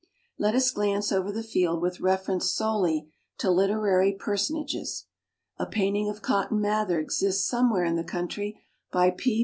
Let us glance over the field with ref erence solely to literary personages. A painting of Cotton Mather exists somewhere in the country by P.